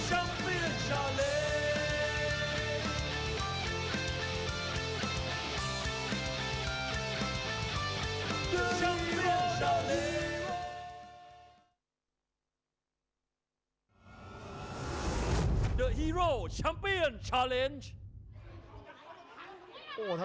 แชลเบียนชาวเล็ก